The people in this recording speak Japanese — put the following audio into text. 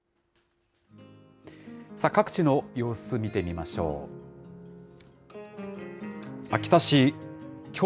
各地の様子、見てみましょう。